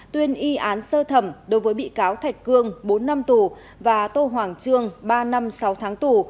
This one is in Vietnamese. tuyên y án sơ thẩm đối với bị cáo thạch cương bốn năm tù và tô hoàng trương ba năm sáu tháng tù